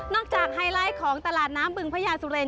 จากไฮไลท์ของตลาดน้ำบึงพระยาสุเรน